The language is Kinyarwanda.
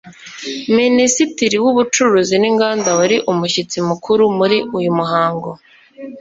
Minisitiri w’Ubucuruzi n’Inganda wari umushyitsi mukuru muri uyu muhango